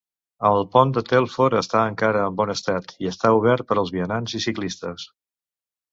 El pont de Telford està encara en bon estat, i està obert per als vianants i ciclistes.